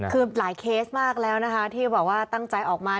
คือหลายเคสมากแล้วนะคะที่แบบว่าตั้งใจออกมา